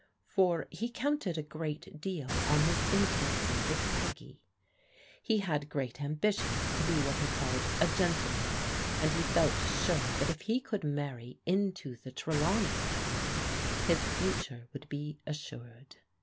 For he counted a great deal on his intimacy with Peggy. He had great ambitions to be what he called " a gentleman,*' and he felt sure that if he could marry into the Trelawney family, his future would be assured.